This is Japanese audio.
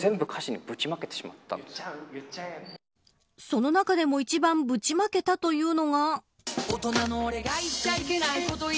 その中でも一番ぶちまけたというのは。